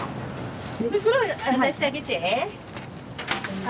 袋渡してあげて。